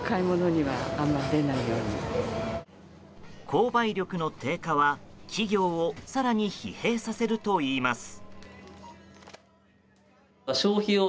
購買力の低下は、企業を更に疲弊させるといいます。